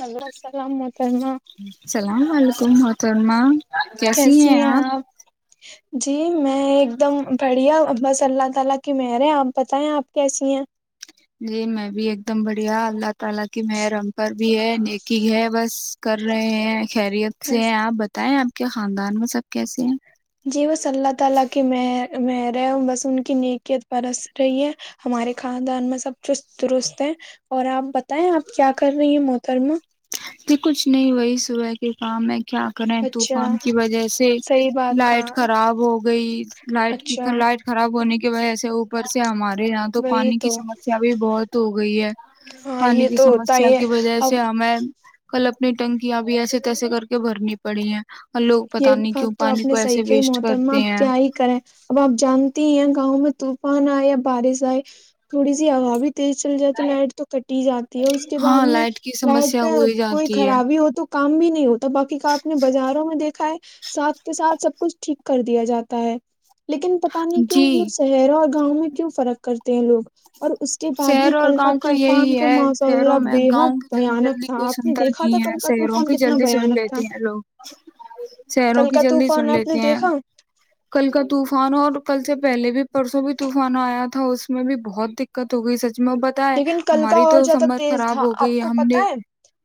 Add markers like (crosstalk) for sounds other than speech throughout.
Hello السلام محترمہ اللام ععلیکم محترمہ کیسی ہیں آپ جی میں ایک دم بڑھیا بس اللہ تعالی کی مہر ہے آپ بتائیں آپ کیسی ہیں (inaudible) پر بھی ہے نیکی ہے بس کر رہے ہیں خیریت سے بس ہیں آپ بتائیں آپ کیا خاندان میں سب کیسے ہیں (inaudible) ب آپ کیا کر رہے ہیں موت کررم (unintelligible) سبح کے کام ہے کیا کریں اچھا طوفان کی وجہ سے صحیح بات کہا لائٹ خراب ہو گئی لائٹ اچھا لائٹ خراب ہونے کی ایسے اوپر سے ہمارے یہاں تو پانی کی سمسیا بھی بہت ہو گئی ہے ہاں پانی یہ کی تو ہوتا سمسیا ہی ہے کی وجہ اب سے ہمیں کل اپنی ٹنک ابھی ایسے تیسے کر کے بھرنی پڑی ہیں اور لوگ پتا یہ نہیں بات کیوں تو آپ پانی نے کو صحیح ایسے کہ ہی ویسٹ متا ہے کرتے آپ ہیں کیا ہی کریں اب آپ جانتی ہی ہیں گاؤں میں طوفان آئے یا بارش آئے تھوڑی سی ہب بھیی تیز چل جائے تو لائٹ تو کٹی جاتی ہے اس کے بعد ہاں میں لائٹ کی لائٹ سمسیا پہ ہو ہی کوئی جاتی ہے خرابی ہو تو کام بھی نہیں تو بای کاپ نے بازار دیکھا ہے ساتھ کے ساتھ سب کچھ ٹھیک کر دیا جاتا ہے لیکن پت نہیں کیوں جی جو شہر اور گاؤں میں کیوں فرق کرتے ہیں لوگ اور اس کے بعد بھی شہروں اور کل گاؤں کا طوفان یہی تو ہے ماشاء شہروں اللہ میں بے حد گاؤں کی بھیانک جلدی تھا کوئی آپ نے شنمتا دیکھا تھا نہیں کل ہے کا شہروں طوفان کی کتنا جلدی سن بھیانک تھا لیتے ہیں لوگ شیروں کل کی کا جلدی طوفان سن آپ نے لیتی ہیں دیکھا کل کا طوفان اور کل سے پہلے بھی پرسوں بھی طوفانہ آیا تھا اس میں بھی بہت د تو ہو گئی س لیکن کل کا اور زیادہ تیز خراب تھا ہو آپ گئی کو ہم پت نے ہے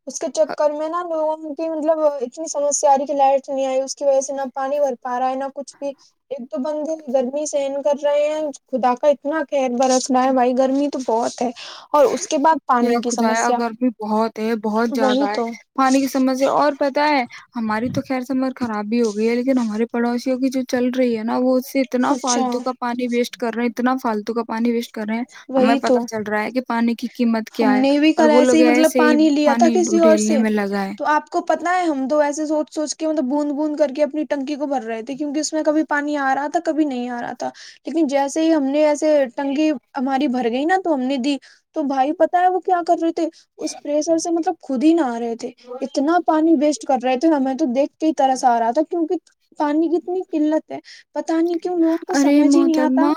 اس کے چکر میں نا لوگوں کی مطلب اتنی سمسیا آاری کی لائٹ نہیں آئی اس کی وجہ سے نہ پانی بھر پا رہا ہے نہ کچھ بھی ایک تو بند گرمی سے کر رہے ہیں خدا کا اتنا کیا پیر برف نہ ہے بھائی گرمی تو بہت ہے اور اس کے بعد پانی کی خجا سمسیا گرمی بہت ہے بہت وہی زیادہ ہے تو پانی کی سمجیا اور پتاہ ہے ہماری تو خیر سمر خرابی ہو گئی ہے لیکن ہمارے پڑوسیوں کی جو چل رہی ہے نا وہ اتنا اچھا فالتو کا پانی ویسٹ کر رہے ہیں اتنا فالتو کا م کریں ہمیں وہی پتتا تو چل رہا ہے کہ کی قیمت ہم کیا ہے نے بھی اور کل وہ ایسے لوگ ہی مطلب پانی لیا تھا کسی اور ڈھیلنے سے میں لگا ہے تو آپ کو پتا ہے ہم دو ایسے سوچ سوچ اس کے مطلب بوند بوند کر کے اپنی نکی کو بھر رہے کیونک اس میں کبھی پانی آ رہا تھا کبھی نہیں آ رہا تھا لیکن جیسے ہی ہم نے ایسے سے ٹنگی اری بھر گئی نا تو ہم نے دی تو بھائی پتا ہے وہ کیا کر رہی اس پریشر سے مطلب خود ہی نہ آ رہے تھے اتنا پانی ویسٹ کر رہے تھے ہمیں تو دیکتے ہی طرح سےا آ رہا تھا کیونکہ پانی کی اتنی قلت ہے پتا نہیں کیوں لوگوں کو ارے سمجھ ہی نہیں آتا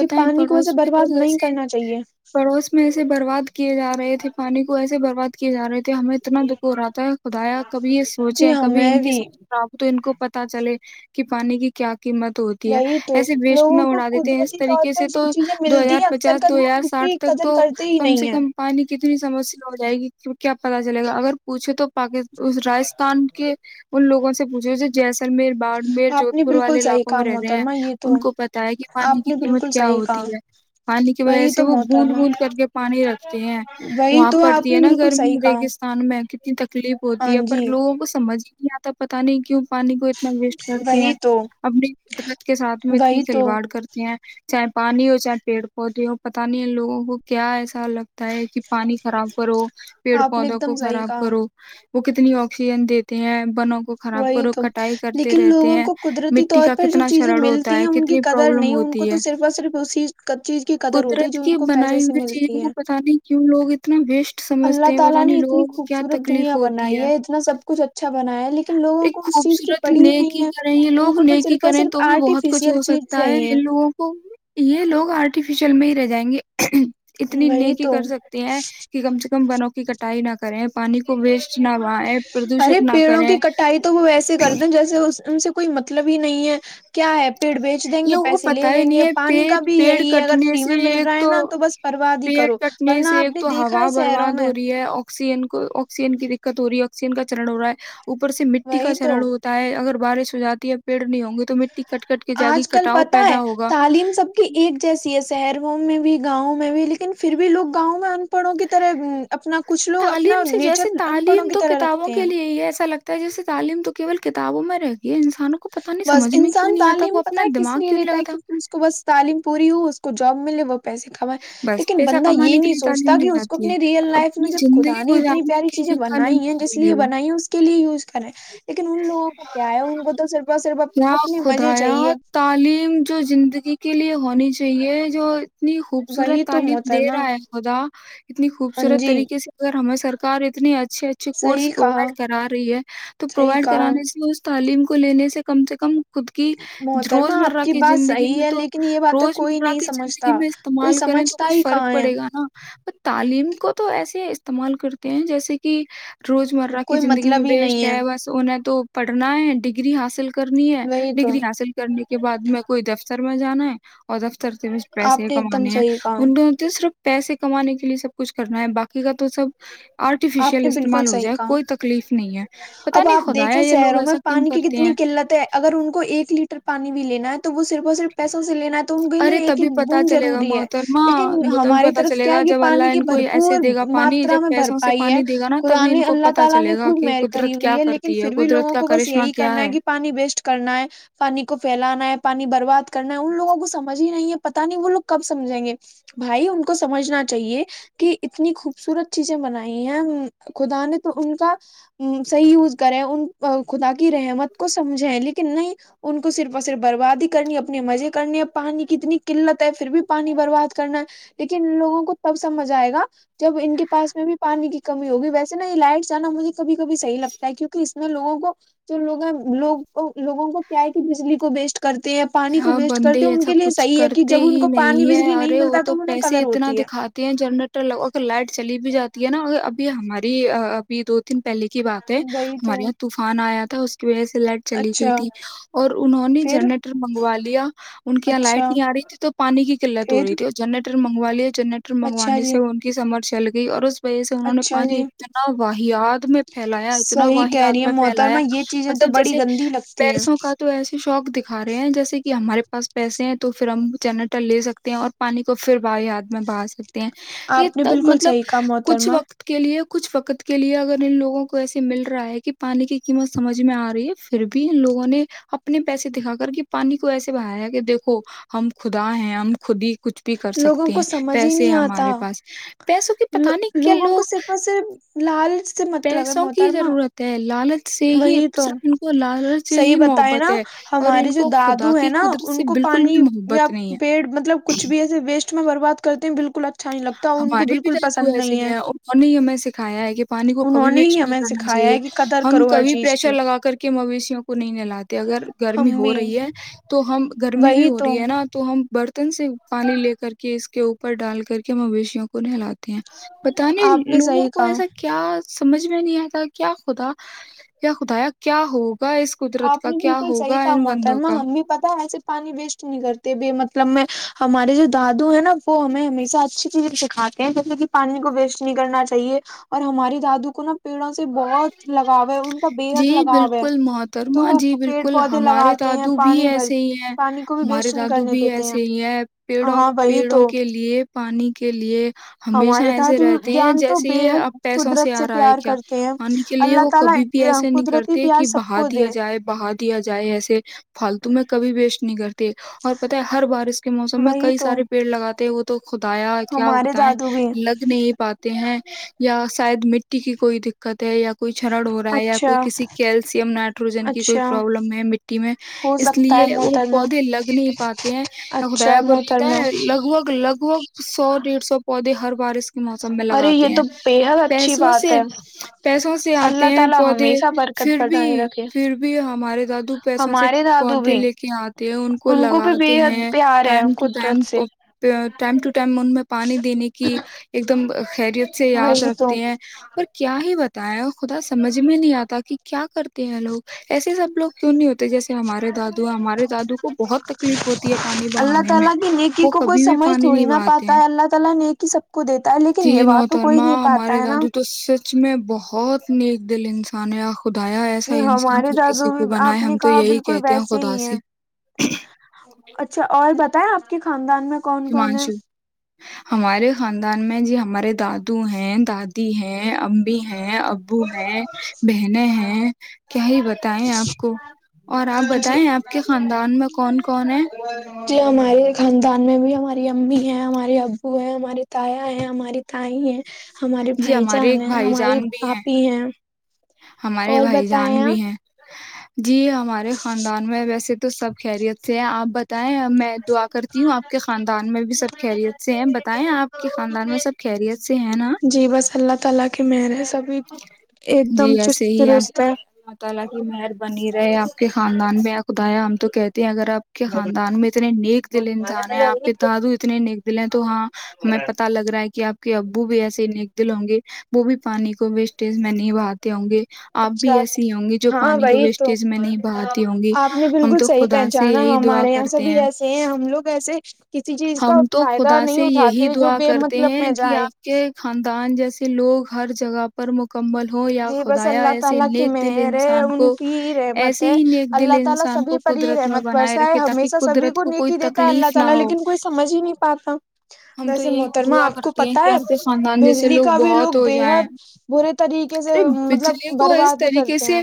کہ پانی کو ویسے برباد نہیں ے کرنا چاہیے پڑوس میں ایے برباد کیے جاے رہے تھے پانی کو ایسے برباد کیے جا رہے تھے ہمیں اتنا دکھ ہو رہاتا ہے خدایا کبھی یہ سوچے جی کبھی ان ہمیں کی بھی سمجھ خراب ہو تو ان کو پت چلے کہ پانی کی کیا قیمت ہوتی ہے وہی تو ایسے وسٹ لوگوں نہ کو اڑا دیتے ہیں اس قدرتی طور طریقے پر سے تو جو چیزیں دو ملتی ہزار ہیں اکثر پچاس کر دو وہ ہزار ان ساٹھ کی تک قدر تو کرتے ہی کم نہیں سے ہے کم پانی کی اتنی سمسیا ہو جائے گی کیا پتا چلے گا اگر پوچھے تو پاک راجستھان کے ان لوگوں سے پوچھے جیسلمیر بڈمیر آپ نے جودھپور بالکل والے صحیح علاقے کہا میں رہتے ہیں محترما یہ تو ان کو پتا ہے کہ پانی آپ کی نے قیمت بالکل کیا صحیح کہا ہوتی ہے پانی کی وجہ وہی سے تو وہ بند محترما بند کر کے پانی رکھتے ہیں وہی وہاں تو آپ پڑتی نے ہے نا بالکل گرمی صحیح کہا ریگستان میں کتنی تک تکلیف ہاں ہوتی ہے پر جی لوگوں کو سمجھ یہ تھا پت نہیں کیوں پانی کو اتنا ویسٹ کرتے ہیں وہی تو نی قدرت کے ساتھ میں اتنی وہی تو کھلواڑ کرتی ہیں چاہے پانی ہو چاہے پیڑ پودے ہو پتا نہیں ہے لوگوں کو کیا ہے لگتا ہے کہ پانی خراب کرو پیڑ آپ نے پودوں ایک دم کو صحیح خراب کہا کرو وہ کتنی آکسیجن دیتے ہیں بنوں کو خراب وہی کرو تو کٹائی کرتے لیکن رہتے لوگوں ہیں کو قدرتی مٹی طور کا پر جو کتنا چیزیں شرڑ ملتی ہوتا ہیں ہے ان کی کتنی قدر پرابلم نہیں ان کو ہوتی ہے تو صرف اور صرف اسی چیز کی قدر ہوتی ہے قدرت جو ان کی کو پیسے بنائی سے ہوئی چیزوں ملتی کو ہے پتہ نہیں کیوں لوگ اتنا ویسٹ اللہ سمجھتے ہیں پتہ تعالی نہیں نے اتنی لوگوں کو کیا خوبصورت تکلیف دنیا ہوتی بنائی ہے اتنا سب کچھ اچھا بنایا ہے لیکن لوگوں ایک کو اس چیز کی خوبصورت پڑی ہی نیکی نہیں ہے کریں یہ ان لوگ کو تو نیکی صرف اور کریں صرف تو بھی بہت کچھ آرٹیفیشیل ہو چیز سکتا ہے چاہیے ان لوگوں کو یہ لوگ آرٹیفیشل چل میں ہی رہ جائیں گے اتنی وہی نیکی تو کر سکتے ہیں کہ کم سے کم بنوں کی کٹائی نہ کریں پانی کو ویسٹ نہ بیں پردوشت نہ کر پڑوں کی کٹائی تو وہ ویسے کرتے جیسے ان سے کوئی مطلب ہی نہیں ہے کیا ہے پیڑ بیچ دیں گے لوگوں کو پیسے پتہ لے ہی لیں نہیں گے ہے پانی پیڑ کا بھی پیڑ یہی ہے اگر کٹنے فری میں سے مل ایک رہا ہے نا تو بس پتا پیڑ کٹنے سے ایک تو ہوا شہروں برباد میں ہو رہی ہے آکسیجن کو آکسیجن کی دقت ہو رہی ہے آکسیجن کا چر ہوا ہے اوپر سے مٹی کا وہی تو شرن ہوتا ہے اگر بارش ہو جاتی ہےب پیڑ نہیں ہوں گی تو مٹی کٹ کٹ کے جاگی آج کل کٹاؤ پتہ ہے پیدا ہوگا تعلیم سب کی ایک جیسی ہے شہروں میں بھی گاؤں میں بھی لیکن پھر بھی لوگ گاؤں میں پڑوں کی طرح اپنا کچھ لوگ اپنا تعلیم سے نیچر جیسے ان پڑھوں کی طرح رکھتے ہیں ت جیسے تعلیم تو کیول کتابوں میں رہے بس انسان تعلیم وہ پتہ اپنا ہے کس دماغ لیے کیوں نہیں لیتا ہے لگتا کہ اس کو بس تعلیم پوری ہو اس کو جب ملے وہ پیسے کمائے بس لیکن پیسہ بندہ یہ کمانے کے نہیں لیے سوچتا تعلیم کہ دی اس کو جاتی ہے اپنی ریئل لائف میں اپنی جب زندگی خدا نے اتنی گزارنے پیاری کے چیزیں لیے تعلیم بنائی ہیں جس نہیں لیے وہ بنائی ہے اس کے لیے یوز کرے لیکن ان لووں کو کیا ہے ان کو تو صرف یا اپنے مزے خدایا چاہیے تعلیم جو زندگی کے لیے ہونی چاہیے جو اتنی خوبصورت وہی تو تعلیم دے محترما رہا ہے خدا اتنی ہاں خوبصورت جی طریقے سے اگر ہمیں سرکار اتنی اچھ اچھے اچھے صحیح کورس کہا پرووائڈ کرا رہی ہے تو صحیح پرووائڈ کہا کرانے سے اس تعلیم کو لینے سے کم سے کم خود کی محترمہ روز آپ مرہ کی بات زندگی صحیح میں ہے تو لیکن یہ باتیں روز کوئی مرہ نہیں کی زندگی سمجھتا میں کوئی استعمال کریں تو سمجھتا کچھ ہی فرق کہاں ہے پڑے گا نا تعلیم کو تو ایسے اس استعمال کرتے ہیں جیسے کہ روز مرہ کی کوئی زندگی میں مطلب ہی بیسٹ نہیں ہے بس نہ تو پڑھنا ہے ڈگری حاصل کر کرنی ہے وہی تو ڈگری حاصل کرنے کے بعد میں کوئی دفتر سر میںا جانا ہے اور دفتر کے آپ پیسے نے ایک دم کمانے ہیں صحیح کہا ان کو تو صرف پیسے کمانے کے لیے سب کچھ کرنا ہے باقی کا تو سب آپ آرٹیفیشیل نے بالکل استعمال ہو صحیح جائے کہا کوئی تکلیف نہیں ہے پتا اب نہیں آپ خدایا دیکھیں یہ لوگ شہروں میں ایسا کیوں پانی کی کرتے کتنی ہیں قلت ہے اگر ان کو ایک لیٹر ٹر پانی بھی لینا ہے تو وہ صرف اور صرف پیسوں سے لینا ہے ان کے لیے ارے ایک تبھی ایک پتا بند چلے گا ضروری ہے محترما لیکن وہ تبھی ہماری پتا طرف چلے کیا ہے گا یہ جب اللہ پانی کی ان کو ایسے بھرپور دے گا پانی ماترا جب میں پیسوں سے بھرپائی ہے پانی دے گا نا خدا تبھی ان کو اللہ پتا تعالی نے چلے گا خوب کہ میر کرری قدرت کیا ہوئی ہے لیکن کرتی پھر بھی قدرت لوگوں کا کو بس کرشمہ یہی کیا کرنا ہے کہ پانی ویسٹ کرنا ہے پانی کو پھیلانا ہے پانی برباد کرنا ہے ان لووں کو سجھ ہی نہیں ہے پت نہیں وہ لوگ کب سمجھیں گے بھائی ان کو سمجھنا چاہیے کہ اتنی خوبصورت چیزیں بنائی ہیں خدا نے تو ان کا صحیح یوز کریں ان خدا کی رحمت کو سمجھیں لیکن کہ نہیں ان کو صرف اور صرف برباد ہی کرنی اپنے مزے کرنی ا پانی کی اتنی قلت ہے پھر بھی پانی برباد کرنا ہے لیکن لوگوں کو تب سمجھ آئے گا جب ان کے پاس میں بھی پانی کی کمی ہوگی ویسے نا یہ لائٹسانا مجھے کبھی کبھی صحیح لگتا ہے کیک اس میں لگوں کو جو لو لوگ لووں کو کیا ہے کہ بجلی کو بیسٹ ہاں بندے ایسا کچھ صحیح ہے کہ کرتے جب ان ہی کو پانی نہیں ہے بجلی نہیں ارے وہ ملتا تو انہیں پیسے قدر اتنا ہوتی ہے دکھاتے ہیں جنریٹر لگوا لائٹ چلی بھی جاتی نا ابھی ہماری ابھی دو تین پہلے کی بات ہے وہی ہمارے تو یہاں طوفان آیا تھا تھا اس کی وجہ سے لائٹ چلی گئی اچھا تھی اور انہوں نے پھر جنرل منگوا لیا ان کی یہاں لائٹ اچھا نہیں آ رہی تھی تو پانی کی قلت ہو رہی پھر تھی اور جنریٹ منگواے جنرٹر اچھا منگوانے جی سے ان کی سمرھ چل گئی اور اس وجہ سے انہوں نے اچھا پانی جی اتنا واہیاد میں پھیلایا اتنا صحیح کہہ رہی واہیاد ہے میں پھیلایا محترمہ یہ چیزیں تو مطلب بڑی جیسے گندی لگتی ہیں پیسوں کا تو ایسے شوق د کا رہے ہیں جیسے ہمارے پاس پیسے ہیں تو پھر ہم جنرٹر لے سکتے ہیں اور پانی کو پھر ب ہد میں بہا سکتے ہیں یہ آپ نے تب بالکل مطلب صحیح کہا کچھ محترمہ وقت کے لیے کچھ وقت کے لیے اگر ان لوگوں کو ایسے مل رہا ہے کہ پانی کی قیمت سمجھ میں آ رہی ہے پھر بھی ان لوگوں نے اپنے پیسے دکھا کے پانی کو ایسے بہایا کہ دیکھو ہم خدا ہیں ہم خود ہی کچھ بھی کر لوگوں سکتے کو ہیں سمجھ ہی پیسے نہیں ہیں ہمارے آتا پاس پیسوں کے پت نہیں کیا لوگ لال پیسوں کی ضرورت ہے لالچ سے ہی وہی تو صرف ان کو لالچ سے صحیح ہی بتائے محبت نا ہے اور ہمارے ان جو کو خدا دادو ہے کی نا قدرت ان سے کو بالکل پانی بھی یا محبت نہیں ہے پیڑ مطلب کچھ بھی ایسے میں برباد کرتے ہیں بالکل اچھا نہیں لگتا ان کو ہمارے بھی بالکل رہ تو پسند ایسے نہیں ہی ہے ہیں انہوں نے ہمیں سکھایا ہے کہ پانی کو کبھی انہوں نے ہی ویسٹ نہیں ہمیں کرنا سکھایا چاہیے ہے کہ قدر ہم کرو ہر کبھی چیز پشر کی لگا کر کے مویشیوں کو نہیں نہلاتے اگر گرمی ہم ہو بھی رہی ہے تو ہم گرمی بھی وہی ہو تو رہی ہے نا تو ہم برتن سے پانی لے کر کے اس کے اوپر ڈال کر کے مویشیوں کو نہلاات بت نہیں آپ نے لوگوں صحیح کو کہا ایسا کیا سمجھ میں نہیں آتا کیا خدا یا خدایا کیا ہو آپ نے بالکل صحیح کام بندوں ہوترما کا ہم بھی پتا ایسے پانی ویسٹ نہیں کرتے بے مطلب میں ہمارے جو دادو ہے نا وہ ہمیں ہمیشہ اچھی چیزیں سکھاتے ہیں جیسے کہ پانی کو ویسٹ نہیں کرنا چاہیے اور ہمارے دادو کو نا پیڑوں سے بہت لگاؤ ہے ان کا بے حد لگاؤ ہے تو شرما وہ جی پیڑ بالکل پودے ہمارے لگاتے ہیں دادو بھی پانی بھر ایسے ہی ہیں پانی کو بھی ہمارے ویسٹ نہیں دادو کرنے بھی دیتے ایسے ہی ہیں پیڑوں ہاں وہی پیڑوں تو کے لیے پانی کے لیے ہمیشہ ہمارے ایسے دادو رہتے ہیں جان تو جیسے یہ بےحد اب پیسوں قدرت سے آ رہا ہے پیار کیا کرتے ہیں کے لیے اللہ وہ کبھی بھی تعالی ایسے نہیں قدرتی کرتے پیار کہ سب بہا کو دیا دے جائے بہا دیا جائے ایسے فالتو میں کبھی وسٹ نہیں کرتے اور پت ہے ہر بارش کے موسم میں وہی کئی تو سارے پیڑ لگات وہ تو خدایا کیا وہ ہمارے بتائیں دادو بھی ہیں۔ لگ نہیں پاتے ہیں یا شاید مٹی کی کوئی دق کتے کوئی چرڑ ہو رہا ہے یا اچھا کوئی کسی کیلشیم نا ٹروجن کی کوئی اچھا پروابلم ہےٹی ٹی میںیں ہو اس سکتا ہے لیے وہ محترمہ پودے لگ نہیں پاتے ہیں اچھا خدایا پر پیتا محترمہ ہے لگ بھگ لگ بھگ سو ڈیڑھ سو پودے ہر بارس کے موسم میں ارے لگاتے یہ ہیں تو بےحد اچھی پیسوں بات سے ہے پیسوں سے اللہ آتے ہیں تعالی پودے ہمیشہ برکت پھر بھی بنائے رکھے پھر بھی ہم دو پیسوں سے ہمارے دادو پودے بھی لے کے آتے ہیں ان کو بھی لگاتے بےحد ہیں پیار ہے ٹائم ٹو ٹائم قدرت سے ٹائم ٹو ٹائم ان میں پانی دینے کی ایک دم خریت سے یاد وہی تو رکھتے ہیں اور کیا ہی ب تا ہے خدا سمجھ میں نہیں آتا کہ کیا کرتے ہیں لوگ ایسے سب لوگ کیوں نہیں ہوتے جیسے ہمارے دادو ہمارے دادو کو بہت تکلیف ہوتی ہے پانی اللہ بہانے میں تعالی کی نیکی وہ کو کوئی کبھی بھی سمجھ پانی تھوڑی نہیں نہ بہاتے پاتا ہیں ہے اللہ تعالی نیکی سب کو دیتا ہے لیکن جی نبھا تو کوئی محترما نہیں ہمارے پاتا ہے نا دادو تو سچ میں بہت بہت نیک دل انسان ہے آ جی ہمارے دادو بھی آپ ہم نے تو کہا یہی بالکل کہتے ہیں ویسے خدا ہی سے ہیں اچھا اور بتا آپ کے خاندان میں کون کون ہممانشو ہے ہمارے خاندان میں جی ہمارے دادو ہیں دادی ہیں امی ہیں ابو ہیں بہنیں ہیں کیا ہی بتائےیں آپ کو اور آپ جی بتائیں آپ کے خاندان میں کون کون ہے جی ہمارے خاندان میں بھی ہمارے امی ہیں ہماراری اب وہ ہے ہماری تایا ہے ہماری تائی ہیں ہمارے جی بھائی ہمارے جان ایک ہیں بھائی ہماری جان بھی آپ ہی ہیں ہمارے اور بھائی جان بتائیں بھی آپ ہیں (inaudible) جی ہمارے خاندان میں ویسے تو سب خیریت سے آپ بتا ب میں دعا کرتی ہوں آپ کے خاندان میں بھی سب خیریت سے ہیں بتائیں آپ کے خاندان میں سب خیریت سے ہیں نا جی بس اللہ تعالی کی مہر ہے سبھی ایک جی دم ایسے چست ہی ہے درست اللہ تعالی کی مہربانی رہے اپ کے خان ان میں خدایا ہم تو کہتے اگر آپ کے خاندان میں اتنے نیک دل انسان ہیں آپ وہی کے تو دادو اتنے نیک دل ہیں تو ہاں ہمیں پتتا لگ رہا ہے کہ آپ کہ ابو بھی ایسے ن دل ہوں گے وہ بھی پانی کو ویسٹیج میں نہیں بھا ہوں گے آپ بھی اچھا ایسی ہوں گی جو ہاں پانی کو وہی تو ویسٹیج میں نہیں بہاتی ہوں گی آپ نے ہم بالکل تو صحیح خدا سے پہچانا یہی دعا ہمارے یہاں کرتے سبھی ہیں ایسے ہم لوگ ایسے کسی چیز کا ہم تو فائدہ خدا نہیں سے یہی اٹھاتے جو دعا بے کرتے مطلب ہیں میں کہ جائے آپ کے خاندان جیسے سے لوگ ہر جگہ پر مکمل ہوں یا (unintelligible) خدایا ایسے نیک دل انسان کو ایسے ہی نیک دل انسان کو قدرت میں بنائے رکھے تاکہ قدرت کو کوئی تکلیف نہ ہو ہم تو ویسے یہی محترما دعا آپ کو کرتے ہیں پتا کہ ہے آپ کے خاندان جیسے بجلی کا بھی لوگ بہت ہو جائیں بےحد برے طریقے سے ارے مطلب بجلی کو اس برباد ہی طریقے کرتے ہیں سے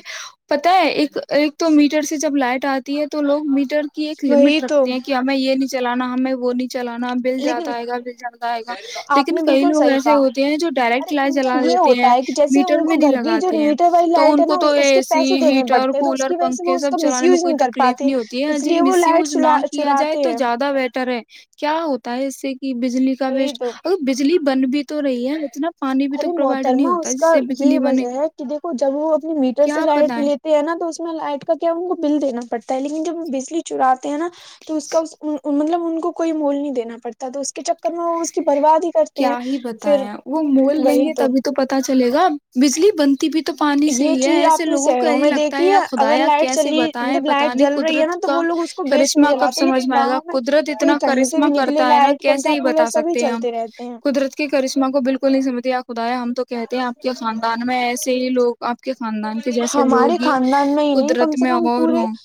پتا ہے ایک ایک تو میٹر سے جب لائٹ آتی ہے تو لوگ میٹر کی ایک وہی لمٹ تو رکھتے ہیں کہ ہمیں یہ نی چلانا ہمیں وہ نہیں چلانا بل جاتا گا لیکن بل چلتاائے گا آپ لیکن نے کئی بالکل لوگ صحیح ایسے کہا ہوتے ہیں جو ڈائریکٹ ارے لائٹ ان کا چلا یہ دیتے ہوتا ہیں ہے کہ جیسے میٹر ان کو میں نہیں گھر کی جو لگاتے ہیں میٹر والی تو لائٹ ان ہے کو نا تو اس اے کے سی پیسے دینے ہیٹر پڑتے ہیں تو اس کولر کی وجہ سے وہ پنکھے اس سب کا مس چلانے میں یوز کوئی نہیں کر تکلیف پاتے نہیں ہوتی ہے اس جی لیے وہ مس لائٹ یوز نہ چلا کیا جائے چراتے تو ہیں زیادہ بیٹر ہے کیا ہوتا ہے اس سے بجلی کا وہی وسٹ تو اگر بجلی بن بھی تو رہی ہے اتنا پانی بھی تو ارے پرووائڈ نہیں محترما ہوتا اس کا جس سے بجلی یہی بنے وجہ ہے کہ دیکھو جب وہ اپنے میٹر سے کیا لائٹ بتائیں لیتے ہیں نا تو اس میں لائٹ کا کیا بل دینا پڑتا ہے لیکن جب بجلی چراتے ہیں نا تو اس کا مطلب ان کوئی مول نہیں دینا پڑتا تو اس کے چکر میں وہ برباد ہی کرتے ہیں کیا ہی پھر وہ مول لیں گے تب تو پتا چلے گا بجلی بنتی بھی تو پانی سے یہ چیز ایسے آپ نے لوگوں کا شہروں ہی میں لگتا ہے دیکھی یا خدا، اگر یا لائٹ کیسے چلی بتائیں مطلب لائٹ پتہ نہیں۔ جل رہی ہے نا قدرت تو کا وہ لوگ اس کو بیچ کرشمہ نہیں کب جلاتے سمجھ لیکن میں آئے گا۔ گاؤں قدرت کوئی اتنا کہیں سے کرشمہ بھی نکلے کرتی ہے نہ، لائٹ پنکھا کیسے کولر بتا سبھی سکتے ہیں ہم۔ چلتے رہتے ہیں قدرت کے کرشمہ کو بالکل نہیں خدایا ہم تو کہتے ہیں آپ کے خاندان میں ایسے ہی لوگ آپ کے خاندان کے جیسے ہمارے لوگ ہی خاندان میں ہی نہیں کم قدرت سے میں کم اور پورے ہوں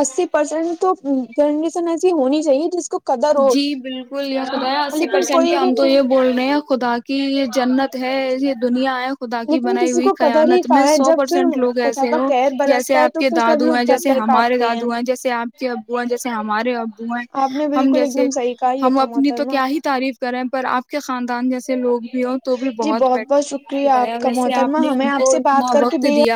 اسی پرسینٹ تو جنریشن ایسی ہونی چاہیے جس کو قدر ہو جی بالکل یہ خدا اسی لیکن پرسینٹ کے کوئی بھی ان تو نہیں یہ ہے بول رہے ہیں خدا کی یہ جنت ہے یہ دنیا خدا کی لیکن بنائی کسی ہوئی کو قدر ہی قانت میں کہاں ہے سو جب پھر پرسینٹ لوگ خدا ایسے کا ہ قہر جیسے برستا ہے آپ تو کے پھر سب دادو لوگ ہیں تھر جیسے تھر ہمارے کانپتے دادو ہیں جیسے آپ کے ابو ہیں جیسے ہم ہمارے آپ آپ نے (inaudible) بالکل ایک جیسے دم صحیح کہا یہ ہم اپنی تو محترمہ کیا ہی تعریف کرے ہیں پر آپ کے خاندان جیسے لوگ بھی ہوں تو بھی جی بہت بیٹر ہے شکریہ بتایا آپ کا ویسے محترمہ آپ نے ہمیں ہم آپ کو سے بات اتنا کر کے وقت بے دیا